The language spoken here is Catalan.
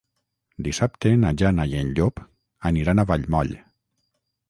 Dissabte na Jana i en Llop aniran a Vallmoll.